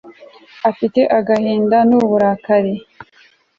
afite agahinda n'uburakari